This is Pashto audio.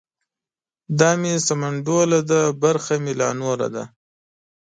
ـ دا مې سمنډوله ده برخه مې لا نوره ده.